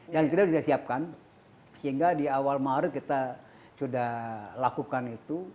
dan kita sudah siapkan sehingga di awal maret kita sudah lakukan itu